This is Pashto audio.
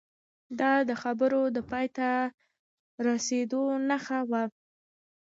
دا د خبرو د پای ته رسیدو نښه وه